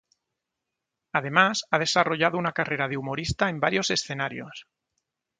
Además ha desarrollado una carrera de humorista en varios escenarios.